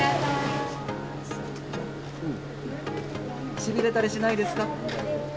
しびれたりしないですか？